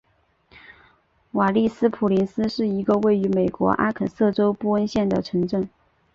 瓦利斯普林斯是一个位于美国阿肯色州布恩县的城镇。